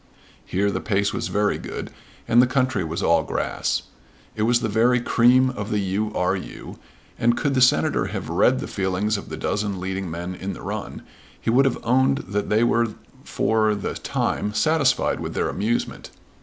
Here the pace was very good, and the country was all grass. It was the very cream of the U. R. U.; and could the Senator have read the feelings of the dozen leading men in the run, he would have owned that they were for the time satisfied with their amusement.